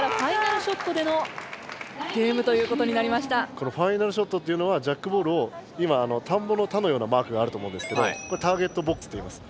このファイナルショットっていうのはジャックボールを今田んぼの田のようなマークがあると思うんですけどこれターゲットボックスっていいます。